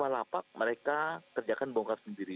tiga puluh lima lapak mereka kerjakan bongkar sendiri